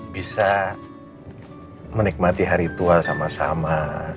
bisa menikmati hari tua sama sama